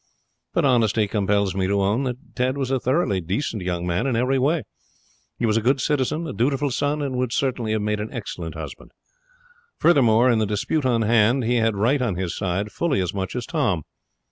But honesty compels me to own that Ted was a thoroughly decent young man in every way. He was a good citizen, a dutiful son, and would certainly have made an excellent husband. Furthermore, in the dispute on hand he had right on his side fully as much as Tom.